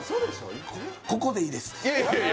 ここでいいです。